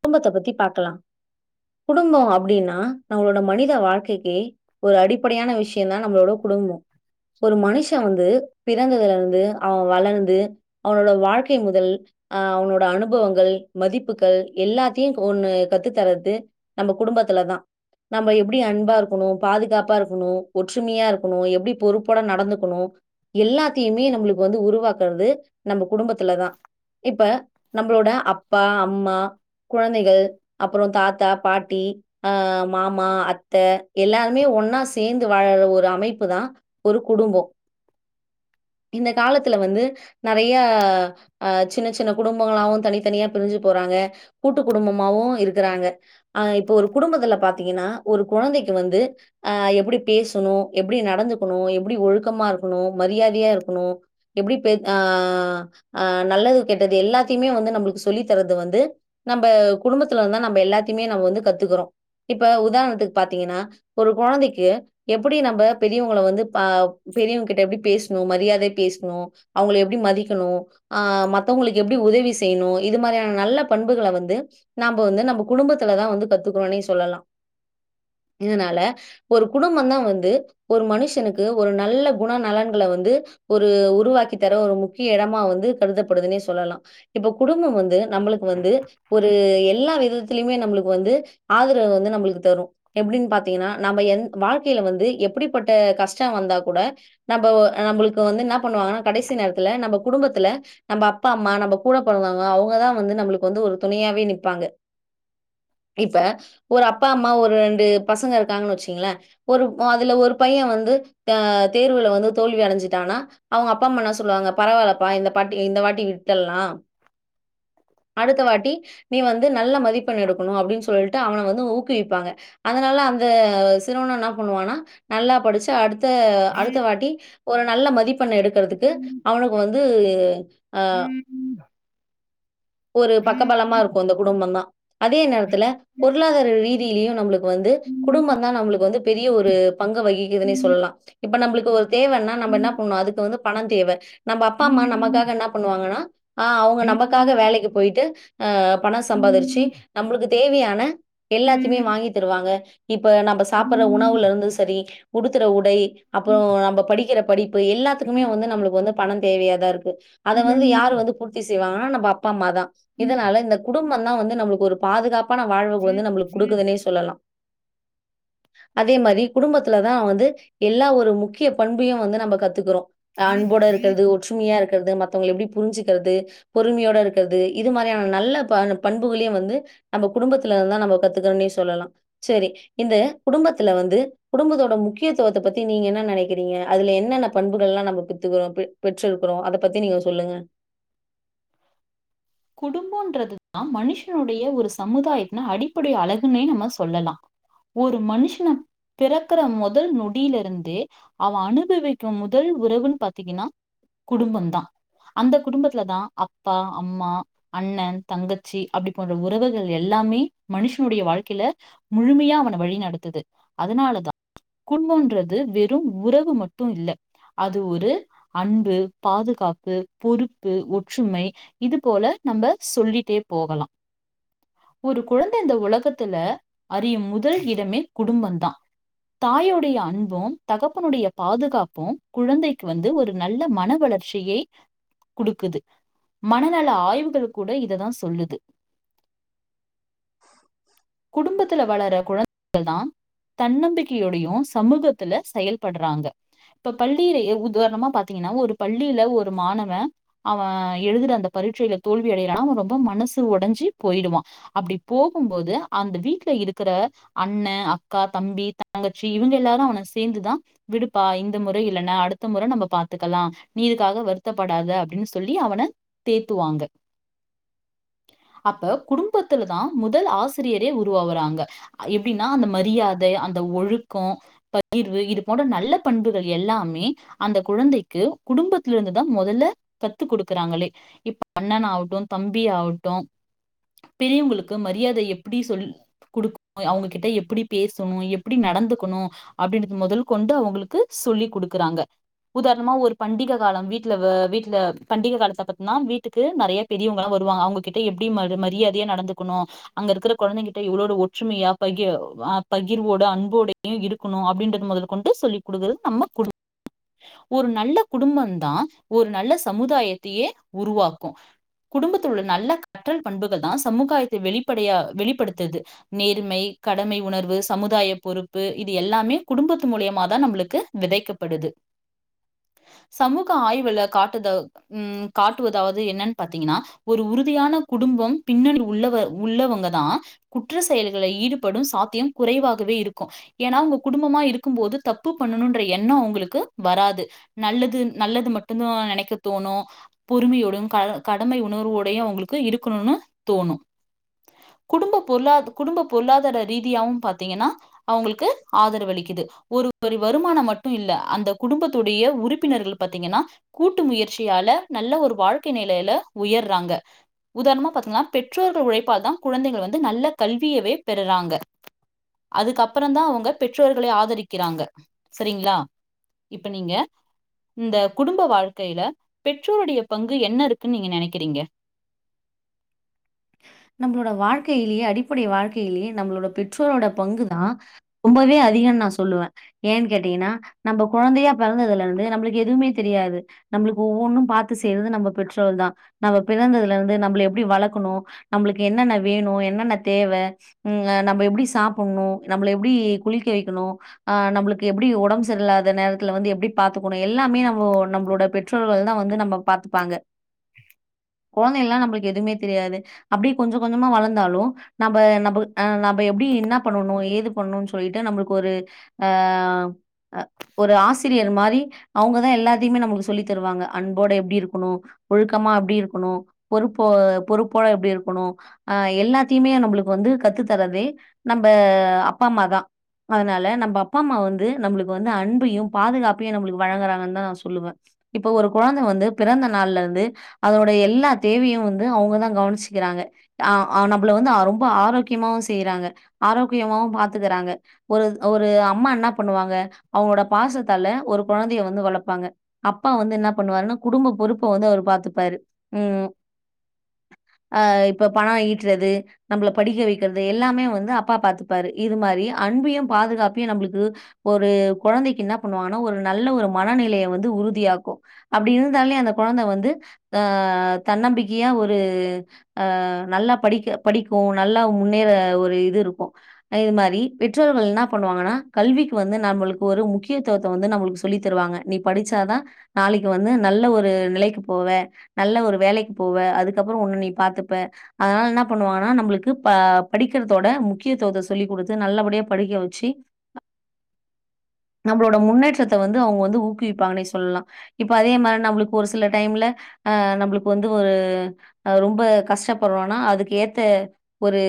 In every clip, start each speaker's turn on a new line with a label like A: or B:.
A: குடும்பத்த பத்தி பாக்கலா குடும்போ அப்டீனா நம்மளோட மனித வாழ்க்கைக்கே ஒரு அடிப்படையான விஷ்யந்தா நம்மளோட கு குடும்போ ஒரு மனுஷெ வந்து பிறந்ததுல இருந்து அவெ வளர்ந்து அவனோட வாழ்க்கை முதல் ஆ அவனோட அனுபவங்கள் மதிப் ப்புக்கள் எல்லாத்தையு ஒன்னு கத்து தர்றது நம்ம குடும்பத்துல தா நம்ம எப்புடி அன்பா இருக்கணு பாதுகாப்பா இருக்கணு ஒற்றுமையா இருக்கணு எப்டி பொறுப்போட நடந்துக்கணு எல்லாத்தையுமே நம்மளுக்கு வந்து உருவாக்கறது நம்ம குடும்பத்துல தா இப்ப நம்பளோட அப்பா அம்மா கொழந்தைகள் அப்பறோ தாத்தா பாட்டி ஆ மாமா அத்த எல்லாருமே ஒன்னா சேர்ந்து வாழற ஒரு அமைப்பு தா ஒரு குடும்போ இந்த காலத்துல வந்து நெறைய அ சின்னச் சின்ன குடும்பங்களாவு தனித் தனியா பிரிஞ்சு போறாங்க கூட்டு குடும்பமாவு இருக்குறாங்க அ இப்பொ ஒரு குடும்பத்துல பாத்தீங்கன்னா ஒரு கொழந்தைக் கு வந்து அ எப்டி பேசணு எப்டி நடந்துக்கணு எப்டி ஒழுக்கமா இருக்கணு மரியாதையா இருக் க்குணு எப்டி பே ஆ ஆ நல்லது கெட்டது எல்லாத்தையுமே வந்து நம்பளுக்கு சொல்லி தர்றது வந்து நம்ப குடும்பத்துல வந்தா நம்ப எல்லாத்தையுமே நம்ப வந்து கத்துக்குறோ இப்ப உதாரணத்துக்கு பாத்தீங்கன்னா ஒரு கொழந்தைக்கு எப்டி நம்ப பெரியவங்கள வந்து பா பெரியவங்க கிட்ட எப்டி பேசுணு மரியாதையா பேசுணு அவங்கள எப்டி மதிக்கணு ஆ மத்தவங்களுக்கு எப்டி உ தவி செய்ணு இது மாரியா ன நல்ல பண்புகள வந்து நாம்ப வந்து நம்ப குடும்பத்துலதா வந்து கத்துக்கறோன்னே சொல்லலா இதுனால ஒரு குடும்பம்தா வந்து ஒரு மனுஷனுக்கு ஒரு நல்ல குண நலன்கள வந்து ஒரு உருவாக்கி தர ஒரு முக்கிய எடமா வந்து கருதப்படுதுன்னே சொல்லலா இப்ப குடும்பம் வந் நம்மளுக்கு வந்து ஒரு எல்லா விதத்திலயுமே நம்பளுக் கு வந்து ஆதரவு வந்து நம்பளுக்கு தரு எப்டின்னு பாத்தீங்கன்னா நம்ப எந் வாழ்க்கைல வந்து எப்டிப்பட்ட அ கஷ்ட வந்தா கூட நம்ப நம்பளுக்கு வந்து என்ன பண்ணுவாங்கன்னா கடைசி நேரத்துல நம்ப குடும்பத்துல நம்ப அப்பா அம்மா நம்ப கூட பொறந்தவங்க அவங்கதா வந்து நம்பளுக்கு வந்து ஒரு துணையாவே நிப்பாங்க இப்ப ஒரு அப்பா அம்மா ஒரு ரெண்டு பசங்க இருக்காங்கன்னு வச்சுகுங்களே ஒரு அதுல ஒரு பைய வந்து து த தேர்வுல வந்து தோல்வி அடஞ்சிட்டான்னா அவங்க அப்பா அம்மா என்ன சொல்லுவாங்க பரவாயில்லப்பா இந்த பாட்டி இந்த வாட் ட்டி விட்டர்லா அடுத்த வாட்டி நீ வந்து நல்ல மதிப்பெண் எடுக்கணு அப்டின்னு சொல்ட்டு அவன வந்து ஊக்குவிப்பாங்க அதனால அ ந்த சிறுவனு என்னா பண்ணுவான்னா நல்லா படிச்சு அடுத் த அடுத்த வாட்டி ஒரு நல்ல மதிப்பெண்ண எடுக்குறதுக்கு அவனுக்கு வந்து அ அ ஒரு பக்கபலமா இருக்கு அந்த குடும்போந்தா அதே நேரத்துல பொருளாதார ரீதியிலேயு நம்பளுக் கு வந்து குடும்போ தா நம்பளுக்கு வந்து பெரிய ஒரு பங்க வகிக்குதுன்னே சொல்லலா இப்ப நம்பளுக்கு ஒரு தேவன்னா நம்ப என்ன பண்ணுவோ அதுக்கு வந்து பண தேவ நம்ப அப்பா அம்மா நமக்காக என்ன பண்ணுவாங்கன்னா ஆ அவங்க நமக்காக வேலைக் போய்ட்டு அ பணோ சம்பாதிரிச்சு நம்பளுக்கு தேவையான எல்லாத்தையுமே வாங்கித் தருவாங்க இப்ப நம்ப சாப்புடுற உணவுல இருந்து சரி உடுத்துற உடை அப்புறோ நம்ம படிக்கிற படிப்பு எல்லாத்துக்குமே வந்து நம்மளுக்கு வந்து பண தேவையாதா இருக்கு அத வந்து யாரு வந்து பூர்த்தி செய்வாங்கனா நம்ப அப்பா அம்மா தா இதனால இந்த குடும்பந்தா வந்து நம்மளுக்கு ஒரு பாதுகாப்பான வாழ்வுக்கு வந்து நம்மளுக்கு கொடுக்குதுன்னே சொல்லலா அதே மாரி குடும்பத்துலதா வந்து எல்லா ஒரு முக்கிய பண்பையு வந்து நம்ப கத்துக்குறோ அன்போட இருக்குறது ஒற்றுமையா இருக்குறது மத்தவங்கள எப்டி புரிஞ்சுக்குறது பொறுமையோட இருக் குறது இது மாரியான நல்ல பண் பண்புகளையு வந்து நம்ம குடும்பத்துல இருந்தா நம்ம காதுக்குறோன்னே சொல்லலா செரி இந்த குடும்பத்துல வந்து குடும்பத்தோட முக்கியத்துவத்த பத்தி நீங்க என்ன நேனைக்கிறீங்க அதுல என்ன னன்ன பண்புகள் எல்லா நம்ம பெத்துக்குறோ பெ பெற்றிருக்குறோ அத பத்தி நீங்க சொல்லுங்க
B: குடும்போன்றது தா மனுஷனுடைய ஒரு சமுதாயத்தின் அடிப்படை அழகுன்னே நம்ம சொல்லலா ஒரு மனுஷன பிறக்குற முதல் நொடியில இருந்தே அவ அனுபவிக்கு முதல் உறவுன்னு பாத்தீங்கன்னா குடும்பம் தா அந்த குடும்பத்தல தா அப்பா அம்மா அண்ணன் தங்கச்சி அப்டி போன்ற உறவுகள் எல்லாமே மனுஷனுடைய வாழ்க்கையில முழுமைய யா அவன வழி நடத்துது அதுனாலதா கும்பொன்றது வெறு உறவு மட்டு இல்ல அது ஒரு அன்பு பாதுகாப்பு பொறுப்பு ஒற்றுமை இது போல நம்ப சொல்லிட்டே போகலா ஒரு குழந்த இந்த உலகத்துல அறியு முதல் இடமே குடும்பந்தா தாயுடைய அன்பு தகப்பனுடைய பாதுகாப்பு குழந்தைக்கு வந்து ஒரு நல்ல மனவள ர்ச்சியை கொடுக்குது மனநல ஆய்வு கள் கூட இத தா சொல்லுது உங்கள் தான் தன்னம்பிக்கையுடையும் சமூகத்துல செயல்படுறாங்க இப்ப பள்ளியில உதாரணமா பாத்தீங்க னா ஒரு பள்ளியில ஒரு மாணவன் அவ எழுதுற அந்த பரீட்சில தோல்வி அடையூரான அவன் ரொம்ப மனசு உடைஞ்சி போயிடுவான் அப்படி போகும்போது அந்த வீட்டு்ல இருக்கிற அண்ணன் அக்கா தம்பி தங்கச்சி இவங்க எல்லாரும் அவனை சேர்ந்துதான் விடுப்பா இந்த முறை இல்ன்னா அடுத்த முறை நம்ம பாத்துக்கலாம் நீயிதுக்காக வருத்தப்படாதது அப்படின்னு சொல்லி அவனை தேத்துவாங்க அப்ப குடும்பத்தில தான் முதல் ஆசி ரியரே உருவாவறாங்க எப்படின்னா அந்த மரியாதை அந்த ஒழுக்கம் பகிர்வு இது போன்ற நல்ல பண்புகள் எல்லாமே அந்த குழந்தைக்கு குடும்பத்தில இருந்து தான் முதல்ல கத்துக் கொடுக்கறா ங்களே இப்ப அண்ணன் ஆவட்டும் தம்பி ஆவட்டும் பெரியவங்களுக்கு மரியாதை எப் ப்டி சொல் குடுக் அவுங்க கிட்ட பேசணும் எப்படி நடந்துக்கணும் அப்படின்றது முதல் கொண் டு அவங்களுக்கு சொல்லி கொடுக்குறாங்க உதாரணமா ஒரு பண்டிகை காலம் வீட்டுல வீட்டுல பண்டிகை காலத்தை பத்தன்னா வீட்டுக்கு நிறைய பெரியவங்கலாம் வரு வாங்க அவுங்ககிட்ட எப்டி மரி மரியாதையை நடந்துக்கணும் அங்க இருக்கிறப் குழந்தைகிட்ட இவ்வளோ ஒற்றுமையா பகிர பகிர்வோடு அன்போட இருக்கணும் அப்படின்றது முதல் கொண்டு சொல்லி கொடுக்குறது நம்ம குடு ஒரு நல்ல குடும்பம் தான் ஒரு நல்ல சமுதாயத்தையே உருவாக்கும் குடும்பத்தோட நல்ல கற்றல் பண்புகள் தான் சமுகாயத்தை வெளிப்படையா வெளிப்படுத்துது நேர்மை கடமை உணர்வு சமுதாய பொறுப்பு இது எல்லாமே குடும்பத்து மூலிய மாதான் நம்மளுக்கு விதைக்கப்படுது சமூக ஆய்வுளை காட்டுத உ காட்டுவதாவது என்னன்னு பாத்தீங்கன்னா ஒரு உறுதியான குடும் பம் பின்னணி உள்ள உள்ளவங்க தான் குற்ற செயல்களில் ஈடுபடும் சாத்தியம் குறைவாகவே இருக்கும் ஏன்னா உங்க குடும்பமா இருக்கும்போது தப்பு பண்ணணும்ன்ற எண்ணம் அவுங்களுக்கு வராது நல்லது நல்லது மட்டுதான் நினைக்க தோணும் பொறுமையோடும் கட கடமை உணர்வோட அவங்களுக்கு இருக்கணும்னு தோணும் குடும்ப பொருளாத குடும்ப பொருளாதார ரீதியாவவும் பாத்தீங்கன்னா அவங்களுக்கு ஆதரவு அளிக்குது ஒரு ஒரு வருமானம் மட்டும் இல்ல அந்த குடும்பத்துடைய உறுப்பினர்கள் பத்தீங்கன்னா கூட்டு முயற்சியால நல்ல ஒரு வாழ்க்கை நிலையில உயர்றாங்க உதாரணமா பத்தீங்கா பெற்றோர்கள் உழைப்பால் தான் குழந்தைகள் வந்து நல்ல கல்வியவே பெறுறாங்க அதுகப்புறம் தான் அவங்க பெற்றோர்களை ஆதரிக்கிறாங்க சரிங்களா இப்ப நீங்க இந்த குடும்ப வாழ்க்கையில பெற்றோருடைய பங்கு என்ன இருக்குன்னு நீங்க நினைக்கிறீங்க
A: [inaudible] நம்மளோட வாழ்கையிலயே அடிப்படை வாழ்க்கையிலேயே நம்மளோட பெற்றோரோட பங்குதான் ரொம்பவே அதிக நான் சொல்லுவேன் ஏன்னு கேட்டீங்கன்னா நம்ம குழந்தையா பிறந்ததுல இருந்து நம்மளுக்கு எதுவுமே தெரியாது நம்மளுக்கு ஒவ்வொன்னும் பார்த்து செய்தது நம்ம பெற்றோர்கள் தான் நம்ம பிறந்ததுல இருந்து நம்ம எப்டி வளர்க்கணும் நம்மளுக்கு என்னென்ன வேணும் என்னென்ன தேவை உ ஹ நம்ம எப்படி சாப்பிடணும் நம்மள எப்படி குளிக்க வைக்கணும் நம்மளுக்கு எப்படி உடம்பு சரியில்லாத அந்த நேரத்துல வந்து எப்படி பாத்துக்கணும் எல்லாமே நம்போ நம்மளோட பெற்றோர்கள் தான் வந்து நம்ம பாத்துப்பாங்க கொழந்தைகளா நம்புளுக்கு எதுவுமே தெரியாது அப்டியே கொஞ்ச கொஞ்சமா வளந்தாலு நம்ப நம்புலு அ நம்ப எப்டி என்னா பண்ணுணு ஏது பண்ணுணு சொல்லிட்டு நம்புளுக்கு ஒரு ஆ ஒரு ஆசிரியர் மாரி அவங்கதா எல்லாத்தையுமே நமளுக்கு சொல்லி தருவாங்க அன்போட எப்டி இருக்குணு ஒழுக்கமா எப்டி இருக்குணு பொறுப்போ பொறுப்போட எப்டி இருக் க்குணு அ எல்லாத்தையுமே நம்புளுக்கு வந்து கத்து தரதே நம்ப அப்பா அம்மா தா அதனால நம்ப அப்பா அம்மா வந்து நம்புளுக்கு வந்து அன்பயு பாதுகாப்பயு நம்புளுக்கு வழங்குறாங்கனு தா நா சொல்லுவ இப்ப ஒரு கொழந்தை வந்து பிறந்த நாள்லருந்து அதோட எல்லா தேவயு வந்து அவுங்கதா கவனிச்சு க்கிறாங்க அ ஆ நம்பள வந்து ரொம்ப ஆரோக்கியமாவு செய்றாங்க ஆரோக்கியமாவு பாத்துக்குறாங்க ஒரு ஒரு அம்மா என்னா பண்ணுவாங்க அவங்களோட பாசத்தால ஒரு கொழந்தைய வந்து வளப்பாங்க அப்பா வந்து என்ன பண்ணுவாருனா குடும்ப பொறுப்ப வந்து அவரு பாத்துப்பாரு ம் அ இப்ப பணம் ஈட்றது நம்பள படிக்க வக்கிறது எல்லாமே வந்து அப்பா பாத்துப்பாரு இது மாரி அ அன்பயு பாதுகாப்பையு நம்புளுக்கு ஒரு கொழந்தக்கி என்னா பண்ணுவாங்கனா ஒரு நல்ல ஒரு மனநிலய வந்து உ உறுதியாக்கு அப்டி இருந்தாலே அந்த கொழந்த வந்து ஆ தன்னம்பிக்கையா ஒரு ஆ நல்லா படிக்க படிக்கு நல்லா முன்னேற ஒரு இது இருக்கு இது மாரி பெற்றோர்கள் என்னா பண்ணுவாங்கனா கல்விக்கு வந்து நாம்புளுக்கு ஒரு முக்கியத்துவத்த வந்து நாம்புளுக்கு சொல்லி தருவாங்க நீ படிச்சாதா நாளக்கி வந்து நல் நல்ல ஒரு நிலைக்கு போவ நல்ல ஒரு வேலக்கி போவ அதுக்கப்பறோ ஒன்ன நீ பாத்தப்ப அதனால என்னா பண்ணுவாங்கனா நம்புளுக்கு ப படிக்கிறதோட முக்கியத்துவத்த சொல்லிக் குடுத்து நல்லபடியா படிக்கவச்சி நம்பளோட முன்னேற்றத்த வந்து அவுங்க வந்து ஊக்குவிப்பாங்கனே சொல்ல லா இப்ப அதே மாரி நம்புளுக்கு ஒரு சில டைம்ல ஆ நம்புளுக்கு வந்து ஒரு அ ரொம் ரொம்ப கஷ்டப்பட்றோனா அதுக்கு ஏத்த ஒரு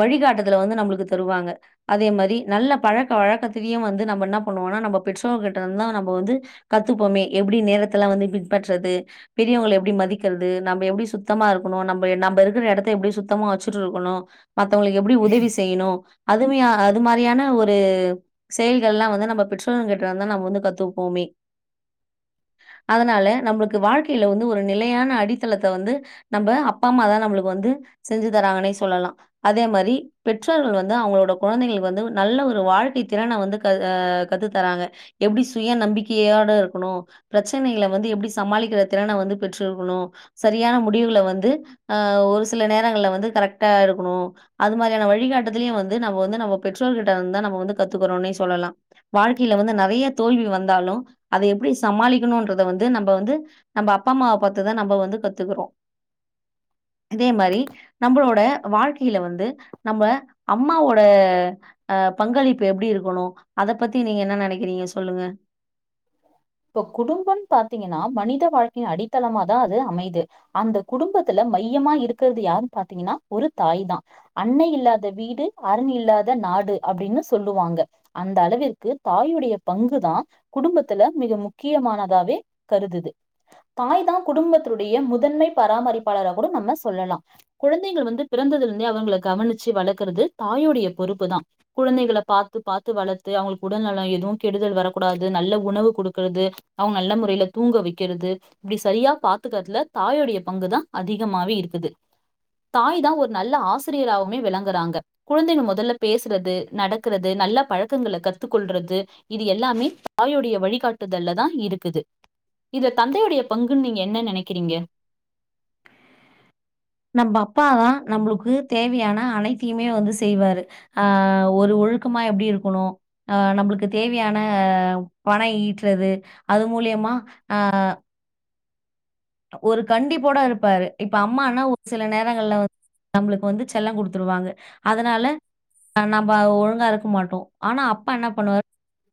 A: வழிகாட்டுதல வந்து நம்புளுக்கு தருவாங்க அதே மாரி நல்ல பழக்க வழக்கத்லயு வந்து நம்ம இன்னா பண்ணுவோ ஒவ்வொன்றாக நம்ப பெற்றோர்கிட்டருந்துதா நம்ப வந்து கத்துப்போமே எப்டி நேரத்தலா வந்து பின்பற்றது பெரியவங் எப்டி மதிக்கிறது நம்ம எப்டி சுத் த்தமா இருக்கணு நம்ப நம்ப இருக்கிற எடத்த எப்டி சுத்தமா வச்சுட்ருக்கணு மத்தவ்ங்களுக்கு எப்டி உதவி செய்யணு அதுமையா அது மாரியான ஒரு செயல்கள்லா வந்து நம்ம பெற்ரோர்கள் கேட்டுத்தா நம்ம வந்து கத்துப்போமே அதனால நம்மளுக்கு வாழ்க்கையில வந்து ஒரு நிலையான அடித்தளத்த வந்து நம்ம அப்பாம்மா தா நம்மளுக்கு வந்து செஞ்சு தராங்கன்னே சொல்லலா அதே மாரி பெற்றோர்கள் வந்து அவங்க கொழந்தைகளுக்கு வந்து நல்ல ஒரு வாழ்க்கை திறனை வந்து க ஆ கத்து தராங்க எப்டி சுய நம்பிக்கையை [unintelligible] இருக்கணு பிரச்சனைகளை வந்து எப்டி சமாளிக்கிற திறன வந்து பெற்றுருக்கணு சரியான முடிவுள வந்து ஒரு சில நேரங்கள்ல வந்து கரெக்டா இருக்கணு அது மாரியான வழிகாட்டுதலு வந் வந்து நம்ம வந்து நம்ம பெற்றோர்கிட்ட இருந்தா நம்ம கத்துக்கிறோன்னே சொல்லலா வாழ்கையில வந்து நெறைய தோல்வி வந்தால் அத எப்டி சமாளிக்கணும்ன்றத வந்து நம்ம வந்து நம்ம அப்பாம்மாவ பாத்துதா நம்ம வந்து கத்துக்கிறோ இதே மாரி நம்மளோட வாழ்க்கையில வந்து நம்ம அம்மாவோட அ பங்களிப்பு எப்டி இருக்கணு அத பத்தி நீங்க என்ன நெனைக்கிறீங்க சொல்லுங்க
B: இப்ப குடும்பன்னு பாத்தீங்கன்னா மனித வாழ்க்கையின் அடித்தளமா தான் அது அமைது அந்த குடும்பத்துல மையமா இருக்கிறது யாருன்னு பாத்தீங்கன்னா ஒரு தாய் தான் அன்னை இல்லாத வீடு அரண் இல்லாத நாடு அப்படின்னு சொல்லுவாங்க அந்த அளவிற்கு தாயுடைய பங்குதான் குடும்பத்துல மிக முக்கியமானதாவே கருதுது தாய் தான் குடும்பத்துடைய முதன்மை பராமரிப்பாளராக கூட நம்ம சொல்லலாம் குழந்தைகள் வந்து பிறந்ததிலிருந்தே அவர்களை கவனிச்சு வளர்க்கிறது தாய் தாயுடைய பொறுப்பு தான் குழந்தைகளை பார்த்து பார்த்து வளர்த்து அவங்களுக்கு உடல்நலம் எதுவும் கெடுதல் வரக்கூடாது நல்ல உணவு கொடுக்கிறது அவங்க நல்ல முறையில் தூங்க வைக்கிறது இப்படி சரியா பார்த்தக்கிறதுல தாய லுடைய பங்குதா அதிகமாவே இருக்குது தாய் தா ஒரு நல்ல ஆசிரியராவுமே விளங்கறாங்க குழந்தைங்க மொதல்ல பேசுறது நடக்குறது நல்ல பழக்கங்கள கத்துகொள்றது இது எல்லாமே தாயுடைய வழிகாட்டுதல்ல தா இருக்குது இதுல தந்தையுடைய பங்குன் நீங்க என்ன நெனைக்குறீங்க
A: நம்ப அப்பா தா நம்புளுக்கு தேவையான அனைத்தியுமே வந்து செய்வாரு ஆ ஆ ஒரு ஒழுக்கமா எப்டி இருக்கணு ஆ நம்புளுக்கு தேவையான பணொ ஈட்றது அது மூல் லியமா ஆ ஒரு கண்டிபோட இருப்பாரு இப்ப அம்மானா ஒர் சில நேரங்கள்ல வ நம்புளுக்கு வந்து செல்லொ குடுத்துருவாங்க அதனால அ நம்ப அத ஒழுங்கா இருக்க மாட்டோ ஆனா அப்பா என்ன பண்ணுவார்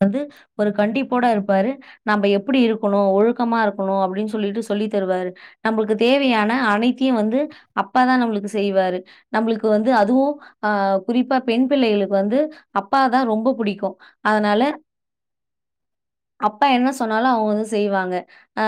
A: தந்து ஒரு கண்டிபோட இருப்பாரு நாம்ப எப்புடி இருக்கணு ஒழுக்கமா இருக்கணு அப்டின் சொல்லிட்டு சொல்லி தருவாரு நம்ளுக்கு தேவையான அனைத்தியும் வந்து அப்பா தா நம்ளுக்கு செய்வாரு நம்ளுக்கு வந்து அதுவும் ஆ குறிப்பா பெண் பிள்ளைகளுக்கு வந்து அப்பாதா ரொம்ப புடிக்கும் அதனால அப்பா என்ன சொன்னாலும் அவுங்க வந்து செய்வாங்க ஆ